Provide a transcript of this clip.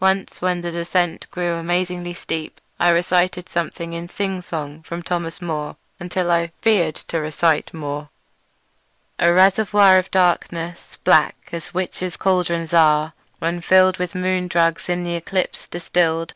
Once when the descent grew amazingly steep I recited something in sing song from Thomas Moore until I feared to recite more: "A reservoir of darkness, black As witches' cauldrons are, when fill'd With moon drugs in th' eclipse distill'd.